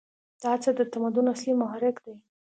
دا هڅه د تمدن اصلي محرک دی.